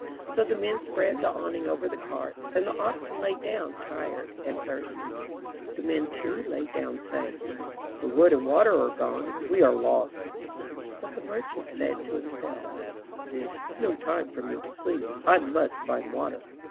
So the men spread the awning over the carts, and the oxen lay down tired and thirsty. The men, too, lay down saying, *The wood and water are gone — we are lost.'' But the merchant said to himself, 'This is no time for me to sleep. I must find water.